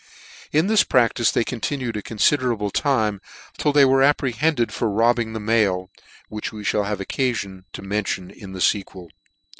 In this practice they continued a considerable time, till they were apprehended for robbing the mail, which we {hall have occafion to mention in the fequel.